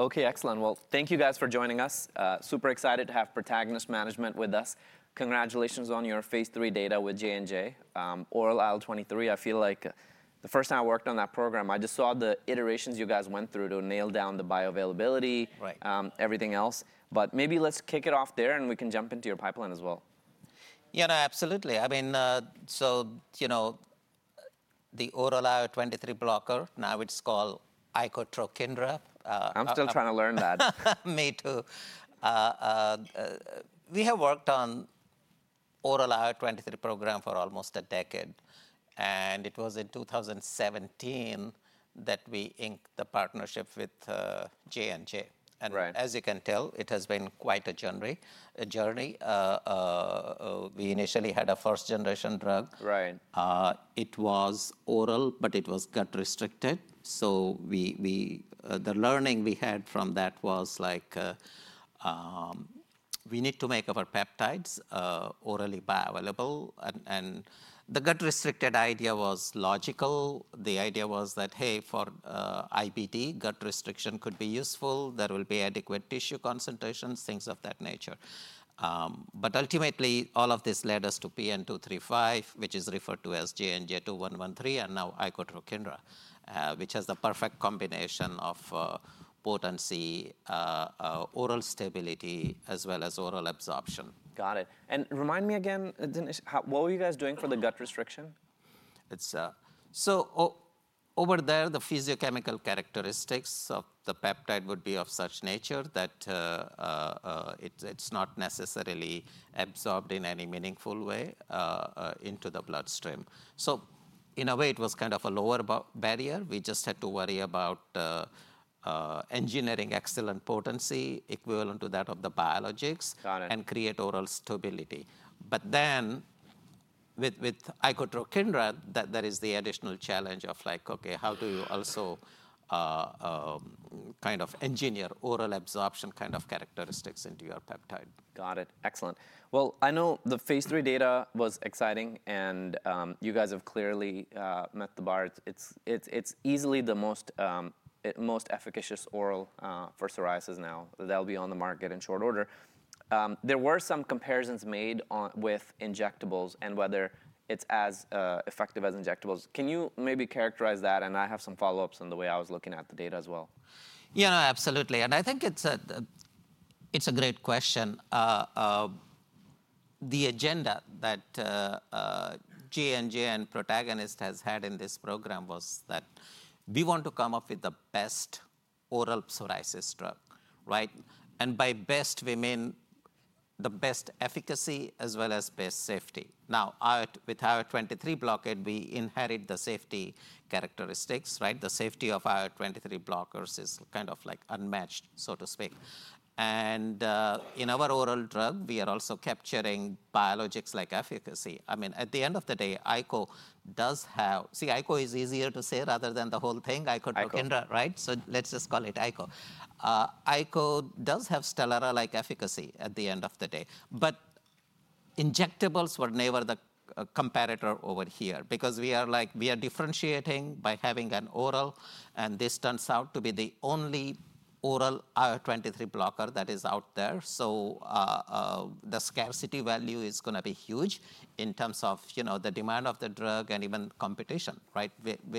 Okay, excellent. Thank you guys for joining us. Super excited to have Protagonist management with us. Congratulations on your phase III data with J&J, oral IL-23. I feel like the first time I worked on that program, I just saw the iterations you guys went through to nail down the bioavailability. Right. Everything else. But maybe let's kick it off there and we can jump into your pipeline as well. Yeah, no, absolutely. I mean, so, you know, the oral IL-23 blocker, now it's called Icotrokinra. I'm still trying to learn that. Me too. We have worked on the oral IL-23 program for almost a decade, and it was in 2017 that we inked the partnership with J&J. Right. As you can tell, it has been quite a journey. We initially had a first-generation drug. Right. It was oral, but it was gut-restricted. So the learning we had from that was like, we need to make our peptides orally bioavailable. And the gut-restricted idea was logical. The idea was that, hey, for IBD, gut restriction could be useful. There will be adequate tissue concentrations, things of that nature. But ultimately, all of this led us to PN-235, which is referred to as JNJ-2113, and now Icotrokinra, which has the perfect combination of potency, oral stability, as well as oral absorption. Got it. And remind me again, Dinesh, what were you guys doing for the gut restriction? It's so over there, the physicochemical characteristics of the peptide would be of such nature that it's not necessarily absorbed in any meaningful way into the bloodstream. So in a way, it was kind of a lower barrier. We just had to worry about engineering excellent potency equivalent to that of the biologics. Got it. And create oral stability. But then with Icotrokinra, there is the additional challenge of like, okay, how do you also kind of engineer oral absorption kind of characteristics into your peptide? Got it. Excellent. Well, I know the phase III data was exciting, and you guys have clearly met the bar. It's easily the most efficacious oral for psoriasis now. They'll be on the market in short order. There were some comparisons made with injectables and whether it's as effective as injectables. Can you maybe characterize that? And I have some follow-ups on the way I was looking at the data as well. Yeah, no, absolutely. And I think it's a great question. The agenda that J&J and Protagonist has had in this program was that we want to come up with the best oral psoriasis drug, right? And by best, we mean the best efficacy as well as best safety. Now, with our IL-23 blockade, we inherit the safety characteristics, right? The safety of our IL-23 blockers is kind of like unmatched, so to speak. And in our oral drug, we are also capturing biologics-like efficacy. I mean, at the end of the day, ICO does have. See, ICO is easier to say rather than the whole thing, Icotrokinra, right? So let's just call it ICO. ICO does have STELARA-like efficacy at the end of the day. But injectables were never the comparator over here because we are differentiating by having an oral, and this turns out to be the only oral IL-23 blocker that is out there. So the scarcity value is going to be huge in terms of the demand of the drug and even competition, right?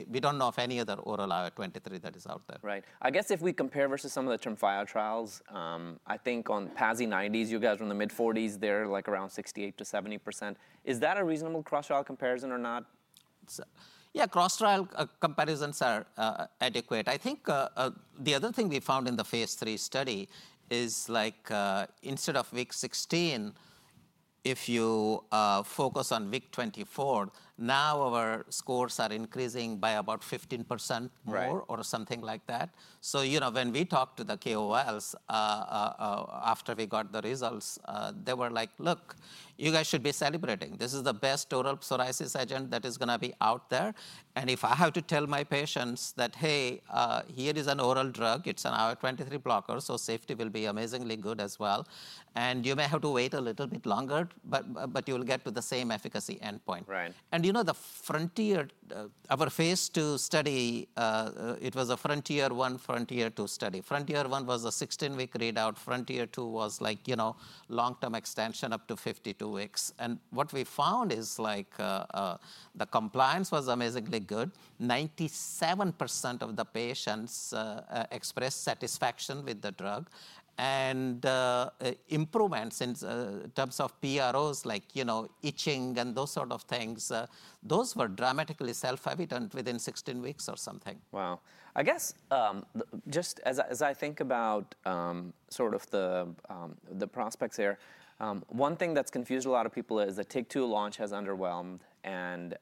We don't know of any other oral IL-23 that is out there. Right. I guess if we compare versus some of the TREMFYA trials, I think on PASI 90s, you guys are in the mid-40s, they're like around 68%-70%. Is that a reasonable cross-trial comparison or not? Yeah, cross-trial comparisons are adequate. I think the other thing we found in the phase III study is like instead of week 16, if you focus on week 24, now our scores are increasing by about 15% more or something like that. So when we talked to the KOLs after we got the results, they were like, look, you guys should be celebrating. This is the best oral psoriasis agent that is going to be out there. And if I have to tell my patients that, hey, here is an oral drug, it's an IL-23 blocker, so safety will be amazingly good as well. And you may have to wait a little bit longer, but you will get to the same efficacy endpoint. Right. You know, the Frontier, our phase II study. It was a FRONTIER 1, FRONTIER 2 study. FRONTIER 1 was a 16-week readout. FRONTIER 2 was like, you know, long-term extension up to 52 weeks. What we found is like the compliance was amazingly good. 97% of the patients expressed satisfaction with the drug. Improvements in terms of PROs, like itching and those sort of things, those were dramatically self-evident within 16 weeks or something. Wow. I guess just as I think about sort of the prospects here, one thing that's confused a lot of people is the TYK2 launch has underwhelmed, and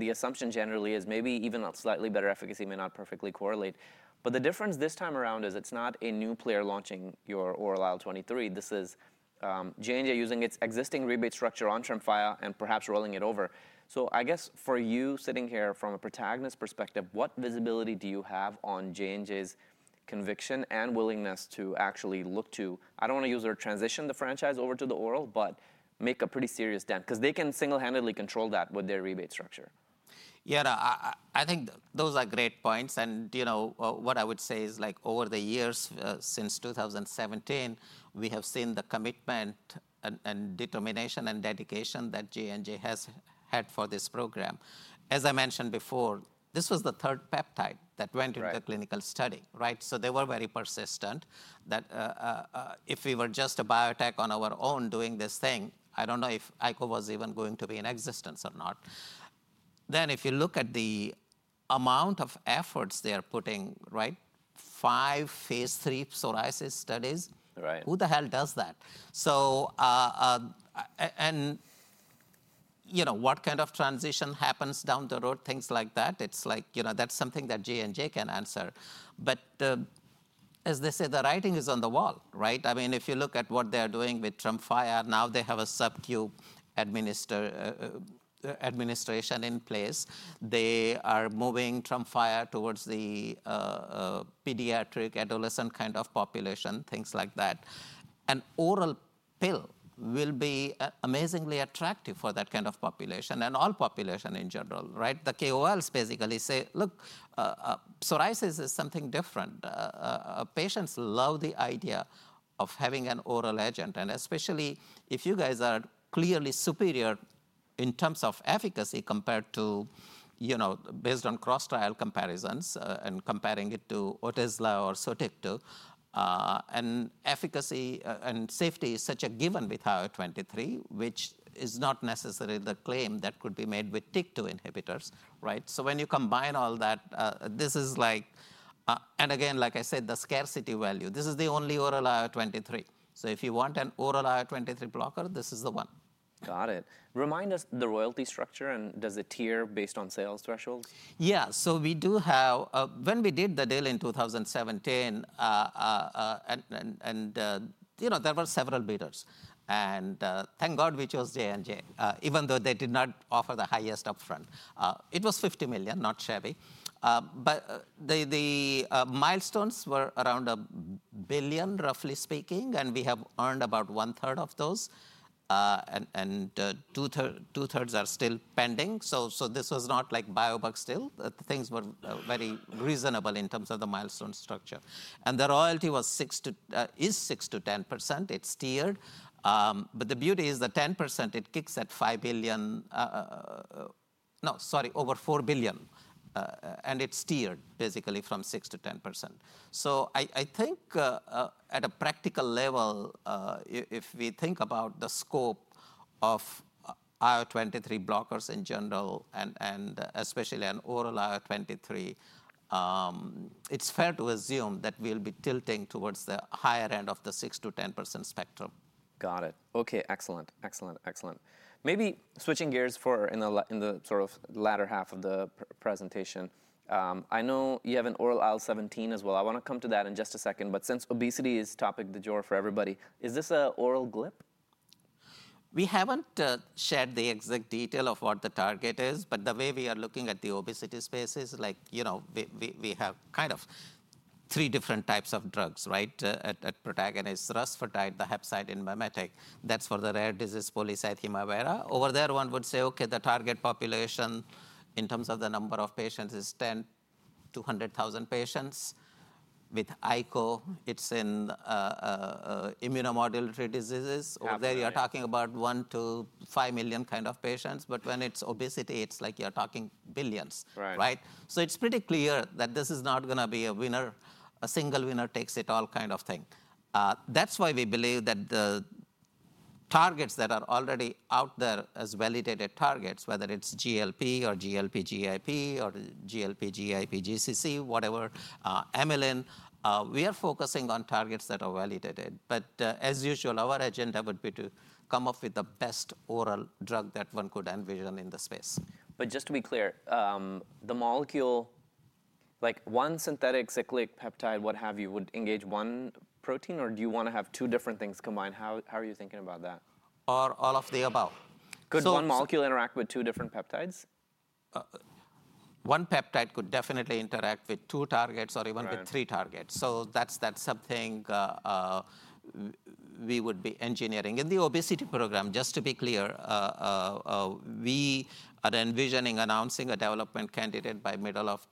the assumption generally is maybe even a slightly better efficacy may not perfectly correlate, but the difference this time around is it's not a new player launching your oral IL-23. This is J&J using its existing rebate structure on TREMFYA and perhaps rolling it over, so I guess for you sitting here from a Protagonist perspective, what visibility do you have on J&J's conviction and willingness to actually look to, I don't want to use the word transition the franchise over to the oral, but make a pretty serious dent? Because they can single-handedly control that with their rebate structure. Yeah, I think those are great points. And what I would say is like over the years since 2017, we have seen the commitment and determination and dedication that J&J has had for this program. As I mentioned before, this was the third peptide that went into the clinical study, right? So they were very persistent that if we were just a biotech on our own doing this thing, I don't know if ICO was even going to be in existence or not. Then if you look at the amount of efforts they are putting, right? Five phase III psoriasis studies. Right. Who the hell does that? And what kind of transition happens down the road, things like that, it's like, you know, that's something that J&J can answer. But as they say, the writing is on the wall, right? I mean, if you look at what they're doing with TREMFYA, now they have a sub-Q administration in place. They are moving TREMFYA towards the pediatric adolescent kind of population, things like that. An oral pill will be amazingly attractive for that kind of population and all population in general, right? The KOLs basically say, look, psoriasis is something different. Patients love the idea of having an oral agent. And especially if you guys are clearly superior in terms of efficacy compared to, you know, based on cross-trial comparisons and comparing it to Otezla or SOTYKTU. Efficacy and safety is such a given with IL-23, which is not necessarily the claim that could be made with TYK2 inhibitors, right? When you combine all that, this is like, and again, like I said, the scarcity value, this is the only oral IL-23. If you want an oral IL-23 blocker, this is the one. Got it. Remind us the royalty structure and does it tier based on sales thresholds? Yeah, so we do have, when we did the deal in 2017, and you know, there were several bidders. And thank God we chose J&J, even though they did not offer the highest upfront. It was $50 million, not shabby. But the milestones were around $1 billion, roughly speaking, and we have earned about 1/3 of those. And 2/3 are still pending. So this was not like buy a buck still. Things were very reasonable in terms of the milestone structure. And the royalty was 6% to, is 6%-10%. It's tiered. But the beauty is the 10%, it kicks at $5 billion, no, sorry, over $4 billion. And it's tiered basically from 6%-10%. I think at a practical level, if we think about the scope of IL-23 blockers in general, and especially an oral IL-23, it's fair to assume that we'll be tilting towards the higher end of the 6%-10% spectrum. Got it. Okay, excellent. Excellent. Excellent. Maybe switching gears a bit in the sort of latter half of the presentation. I know you have an oral IL-17 as well. I want to come to that in just a second. But since obesity is the topic of the hour for everybody, is this an oral GLP? We haven't shared the exact detail of what the target is, but the way we are looking at the obesity space is like, you know, we have kind of three different types of drugs, right? At Protagonist, rusfertide, the hepcidin-mimetic. That's for the rare disease polycythemia vera. Over there, one would say, okay, the target population in terms of the number of patients is 10,000-100,000 patients. With ICO, it's in immunomodulatory diseases. Over there, you're talking about 1 million-5 million kind of patients. But when it's obesity, it's like you're talking billions, right? So it's pretty clear that this is not going to be a winner, a single winner takes it all kind of thing. That's why we believe that the targets that are already out there as validated targets, whether it's GLP or GLP-GIP or GLP-GIP-GCG, whatever, Amylin, we are focusing on targets that are validated. But as usual, our agenda would be to come up with the best oral drug that one could envision in the space. But just to be clear, the molecule, like one synthetic cyclic peptide, what have you, would engage one protein, or do you want to have two different things combined? How are you thinking about that? Or all of the above. Could one molecule interact with two different peptides? One peptide could definitely interact with two targets or even with three targets. So that's something we would be engineering. In the obesity program, just to be clear, we are envisioning announcing a development candidate by middle of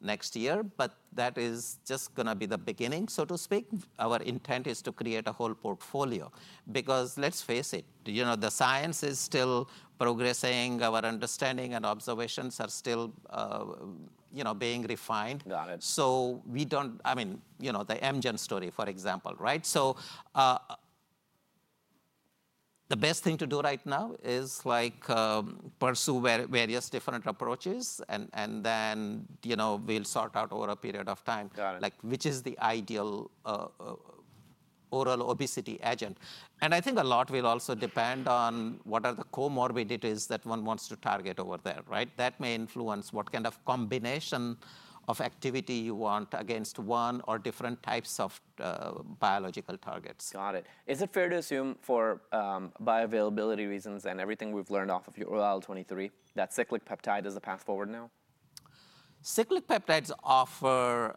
next year, but that is just going to be the beginning, so to speak. Our intent is to create a whole portfolio because let's face it, you know, the science is still progressing. Our understanding and observations are still, you know, being refined. Got it. So we don't, I mean, you know, the Amgen story, for example, right? So the best thing to do right now is like pursue various different approaches and then we'll sort out over a period of time. Got it. Like which is the ideal oral obesity agent? And I think a lot will also depend on what are the comorbidities that one wants to target over there, right? That may influence what kind of combination of activity you want against one or different types of biological targets. Got it. Is it fair to assume for bioavailability reasons and everything we've learned off of your oral IL-23 that cyclic peptide is a path forward now? Cyclic peptides offer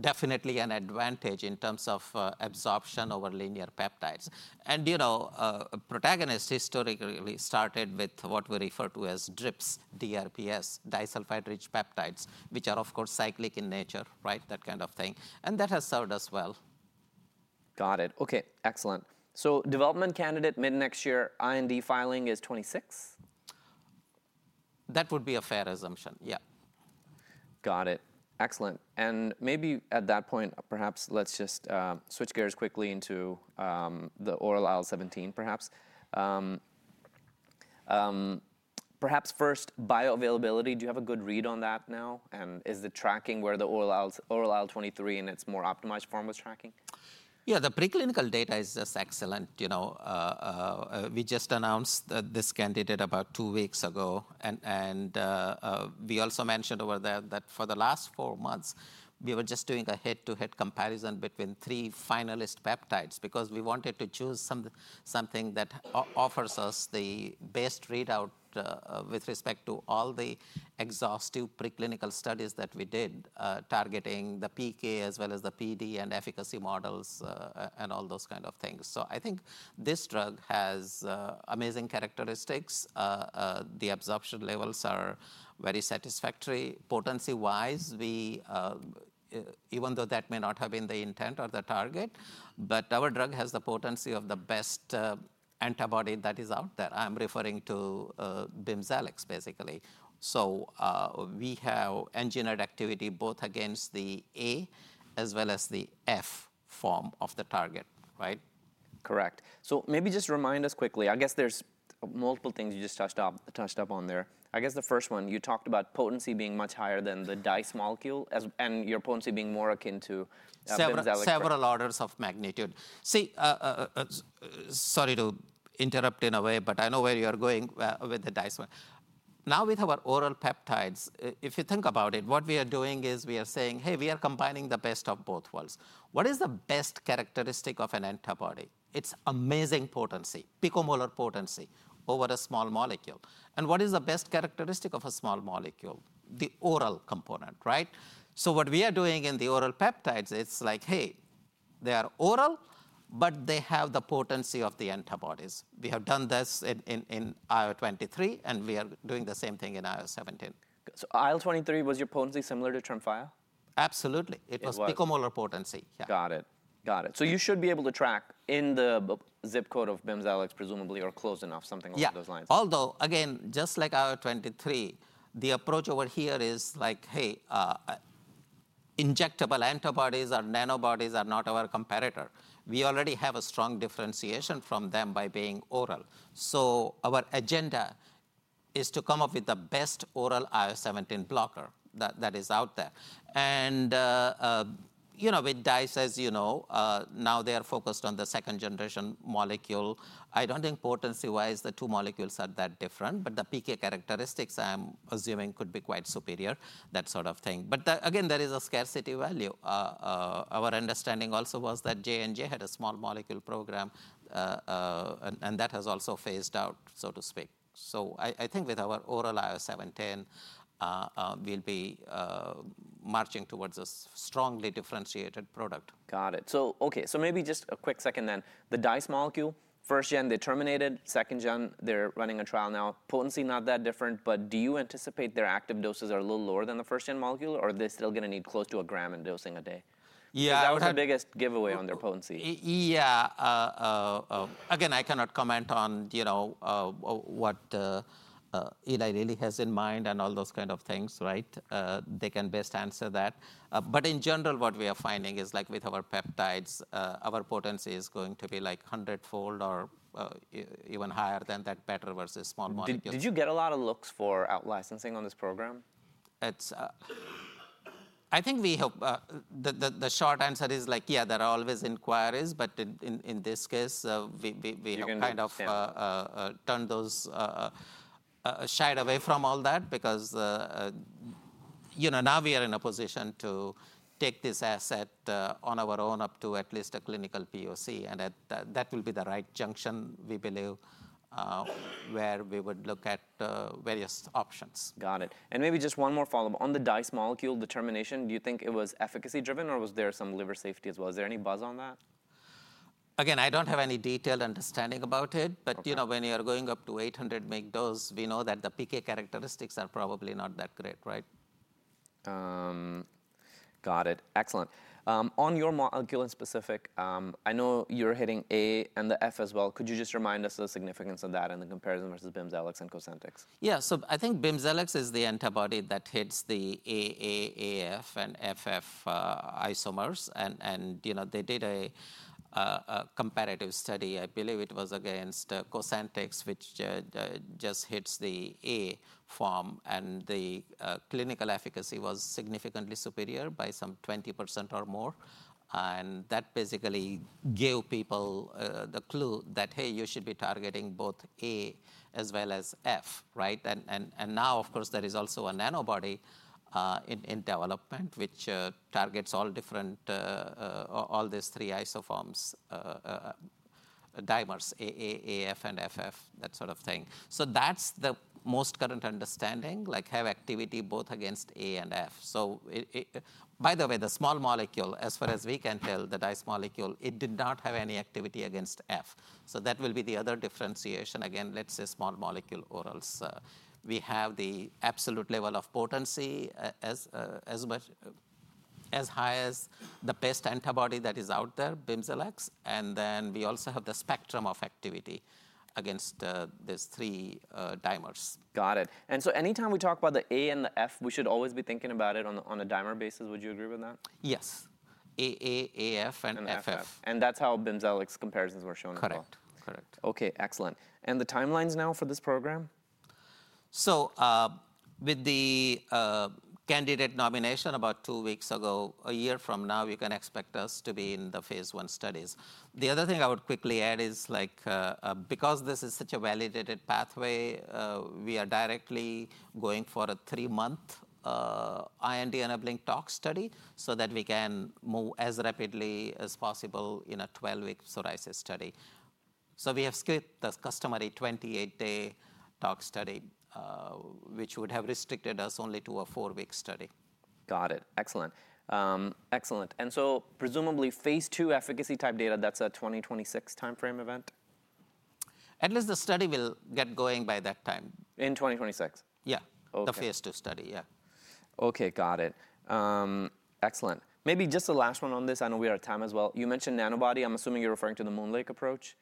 definitely an advantage in terms of absorption over linear peptides. And you know, Protagonist historically started with what we refer to as DRPs, DRPs, disulfide-rich peptides, which are of course cyclic in nature, right? That kind of thing. And that has served us well. Got it. Okay, excellent. So development candidate mid-next year, IND filing is 2026? That would be a fair assumption, yeah. Got it. Excellent, and maybe at that point, perhaps let's just switch gears quickly into the oral IL-17, perhaps. Perhaps first bioavailability, do you have a good read on that now, and is the tracking where the oral IL-23 in its more optimized form was tracking? Yeah, the preclinical data is just excellent. You know, we just announced this candidate about two weeks ago, and we also mentioned over there that for the last four months, we were just doing a head-to-head comparison between three finalist peptides because we wanted to choose something that offers us the best readout with respect to all the exhaustive preclinical studies that we did targeting the PK as well as the PD and efficacy models and all those kind of things, so I think this drug has amazing characteristics. The absorption levels are very satisfactory. Potency-wise, even though that may not have been the intent or the target, but our drug has the potency of the best antibody that is out there. I'm referring to BIMZELX basically, so we have engineered activity both against the A as well as the F form of the target, right? Correct. So maybe just remind us quickly. I guess there's multiple things you just touched up on there. I guess the first one, you talked about potency being much higher than the DICE molecule and your potency being more akin to. Seven or several orders of magnitude. See, sorry to interrupt in a way, but I know where you're going with the DICE. Now with our oral peptides, if you think about it, what we are doing is we are saying, hey, we are combining the best of both worlds. What is the best characteristic of an antibody? It's amazing potency, picomolar potency over a small molecule. And what is the best characteristic of a small molecule? The oral component, right? So what we are doing in the oral peptides, it's like, hey, they are oral, but they have the potency of the antibodies. We have done this in IL-23 and we are doing the same thing in IL-17. So IL-23 was your potency similar to TREMFYA? Absolutely. It was picomolar potency, yeah. Got it. Got it. So you should be able to track in the zip code of BIMZELX presumably or close enough, something along those lines. Yeah. Although again, just like IL-23, the approach over here is like, hey, injectable antibodies or nanobodies are not our competitor. We already have a strong differentiation from them by being oral. So our agenda is to come up with the best oral IL-17 blocker that is out there. And you know, with DICE, as you know, now they are focused on the second generation molecule. I don't think potency-wise the two molecules are that different, but the PK characteristics I'm assuming could be quite superior, that sort of thing. But again, there is a scarcity value. Our understanding also was that J&J had a small molecule program and that has also phased out, so to speak. So I think with our oral IL-17, we'll be marching towards a strongly differentiated product. Got it. So okay, so maybe just a quick second then. The DICE molecule, first-gen, they terminated. Second-gen, they're running a trial now. Potency not that different, but do you anticipate their active doses are a little lower than the first gen molecule or are they still going to need close to 1 g in dosing a day? Yeah. Because that was the biggest giveaway on their potency. Yeah. Again, I cannot comment on, you know, what Eli really has in mind and all those kind of things, right? They can best answer that. But in general, what we are finding is like with our peptides, our potency is going to be like a hundredfold or even higher than that better versus small molecules. Did you get a lot of looks for outlicensing on this program? I think we hope the short answer is like, yeah, there are always inquiries, but in this case, we kind of turned those shied away from all that because, you know, now we are in a position to take this asset on our own up to at least a clinical POC, and that will be the right junction, we believe, where we would look at various options. Got it. And maybe just one more follow-up on the DICE molecule determination. Do you think it was efficacy driven or was there some liver safety as well? Is there any buzz on that? Again, I don't have any detailed understanding about it, but you know, when you're going up to 800 mg dose, we know that the PK characteristics are probably not that great, right? Got it. Excellent. On your molecule in specific, I know you're hitting A and the F as well. Could you just remind us of the significance of that and the comparison versus BIMZELX and COSENTYX? Yeah, so I think BIMZELX is the antibody that hits the A, A, AF and FF isomers. And you know, they did a comparative study, I believe it was against COSENTYX, which just hits the A form. And the clinical efficacy was significantly superior by some 20% or more. And that basically gave people the clue that, hey, you should be targeting both A as well as F, right? And now, of course, there is also a nanobody in development, which targets all different, all these three isoforms, dimers, A, A, AF and FF, that sort of thing. So that's the most current understanding, like have activity both against A and F. So by the way, the small molecule, as far as we can tell, the DICE molecule, it did not have any activity against F. So that will be the other differentiation. Again, let's say small molecule orals. We have the absolute level of potency as high as the best antibody that is out there, BIMZELX. And then we also have the spectrum of activity against these three dimers. Got it. And so anytime we talk about the A and the F, we should always be thinking about it on a dimer basis. Would you agree with that? Yes. A, A, AF, and FF. That's how BIMZELX comparisons were shown. Correct. Correct. Okay, excellent. And the timelines now for this program? So, with the candidate nomination about two weeks ago, a year from now, you can expect us to be in the phase I studies. The other thing I would quickly add is, like, because this is such a validated pathway, we are directly going for a three-month IND-enabling tox study so that we can move as rapidly as possible in a 12-week psoriasis study. So we have skipped the customary 28-day tox study, which would have restricted us only to a four-week study. Got it. Excellent. Excellent. And so presumably phase II efficacy type data, that's a 2026 timeframe event? At least the study will get going by that time. In 2026? Yeah. The phase II study, yeah. Okay, got it. Excellent. Maybe just the last one on this. I know we are at time as well. You mentioned nanobody. I'm assuming you're referring to the MoonLake approach?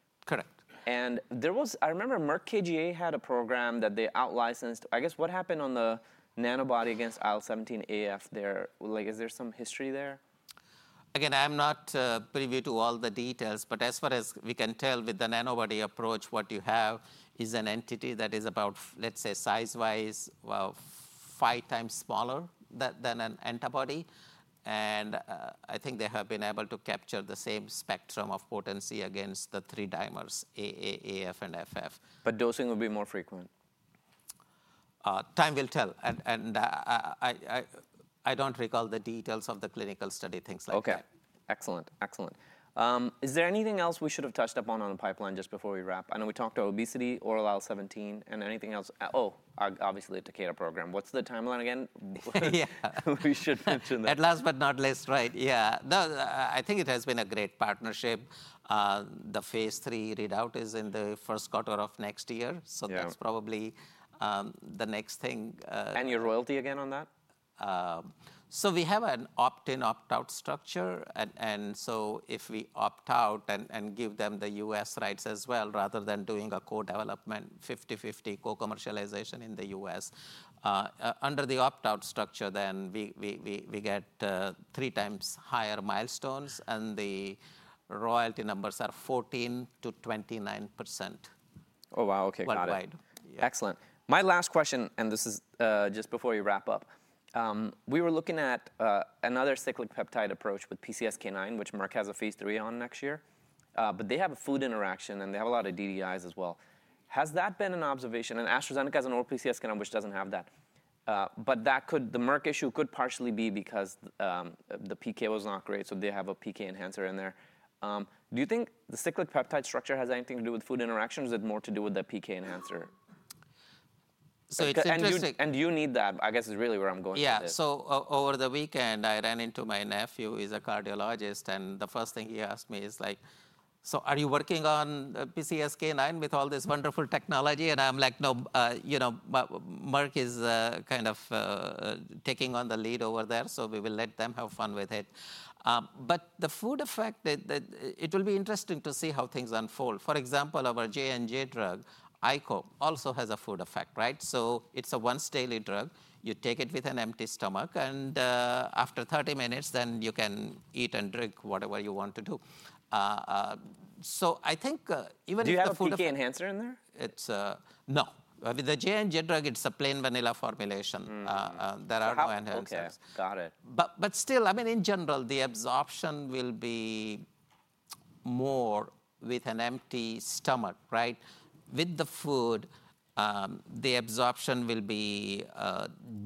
Correct. There was, I remember Merck KGaA had a program that they outlicensed. I guess what happened on the nanobody against IL-17A/F there? Like is there some history there? Again, I'm not privy to all the details, but as far as we can tell with the nanobody approach, what you have is an entity that is about, let's say size-wise, 5x smaller than an antibody. And I think they have been able to capture the same spectrum of potency against the three dimers, A, A, AF, and FF. But dosing would be more frequent? Time will tell. I don't recall the details of the clinical study, things like that. Okay. Excellent. Excellent. Is there anything else we should have touched upon on the pipeline just before we wrap? I know we talked about obesity, oral IL-17, and anything else? Oh, obviously the Takeda program. What's the timeline again? We should mention that. Yeah. At last but not least, right? Yeah. No, I think it has been a great partnership. The phase III readout is in the first quarter of next year. So that's probably the next thing. Your royalty again on that? So we have an opt-in, opt-out structure. And so if we opt out and give them the U.S. rights as well, rather than doing a co-development, 50/50 co-commercialization in the U.S., under the opt-out structure, then we get 3x higher milestones and the royalty numbers are 14%-29%. Oh wow. Okay. Got it. Worldwide. Excellent. My last question, and this is just before we wrap up. We were looking at another cyclic peptide approach with PCSK9, which Merck has a phase III on next year. But they have a food interaction and they have a lot of DDIs as well. Has that been an observation? And AstraZeneca has an oral PCSK9, which doesn't have that. But that could, the Merck issue could partially be because the PK was not great. So they have a PK enhancer in there. Do you think the cyclic peptide structure has anything to do with food interaction? Is it more to do with the PK enhancer? So it's interesting. And you need that, I guess is really where I'm going with this. Yeah. So over the weekend, I ran into my nephew, he's a cardiologist. And the first thing he asked me is like, so are you working on PCSK9 with all this wonderful technology? And I'm like, no, you know, Merck is kind of taking on the lead over there. So we will let them have fun with it. But the food effect, it will be interesting to see how things unfold. For example, our J&J drug, ICO, also has a food effect, right? So it's a once daily drug. You take it with an empty stomach and after 30 minutes, then you can eat and drink whatever you want to do. So I think even if the food. Do you have the PK enhancer in there? No. With the J&J drug, it's a plain vanilla formulation. There are no enhancers. Okay. Got it. But still, I mean, in general, the absorption will be more with an empty stomach, right? With the food, the absorption will be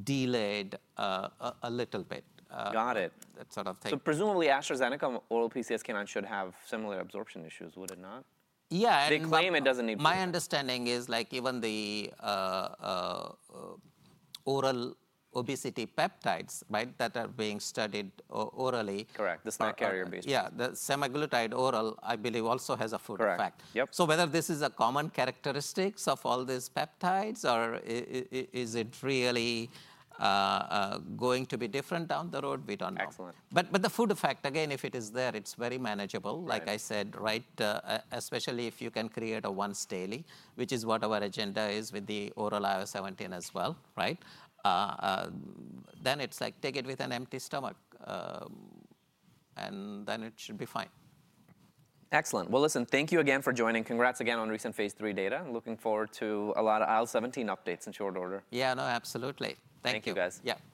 delayed a little bit. Got it. That sort of thing. So presumably AstraZeneca oral PCSK9 should have similar absorption issues, would it not? Yeah. They claim it doesn't need to. My understanding is like even the oral obesity peptides, right, that are being studied orally. Correct. The SNAC carrier base. Yeah. The semaglutide oral, I believe, also has a food effect. Correct. Yep. So whether this is a common characteristic of all these peptides or is it really going to be different down the road, we don't know. Excellent. But the food effect, again, if it is there, it's very manageable, like I said, right? Especially if you can create a once daily, which is what our agenda is with the oral IL-17 as well, right? Then it's like take it with an empty stomach and then it should be fine. Excellent. Well, listen, thank you again for joining. Congrats again on recent phase three data. Looking forward to a lot of IL-17 updates in short order. Yeah. No, absolutely. Thank you. Thank you guys. Yeah.